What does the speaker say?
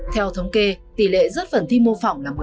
theo thống kê tỷ lệ rớt phần thi mô phỏng là một mươi